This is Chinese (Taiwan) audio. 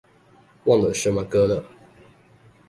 忘了什麼歌了